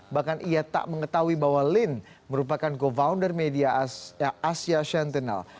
bahkan ia tak mengetahui bahwa lin merupakan go founder media asia sentinel